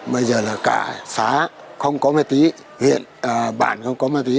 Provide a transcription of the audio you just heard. bây giờ là cả xã không có ma tuy huyện bản không có ma tuy